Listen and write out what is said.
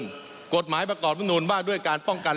โรคระบายก็กลับก่อนว่าด้วยการฝ่องกัน